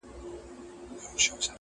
خدایه ته ګډ کړې دا د کاڼو زیارتونه،